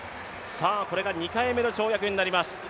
これが２回目の跳躍になります。